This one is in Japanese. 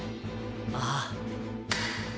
ああ。